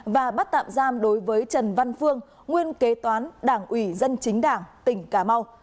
và bắt tạm giam đối với trần văn phương nguyên kế toán đảng ủy dân chính đảng tỉnh cà mau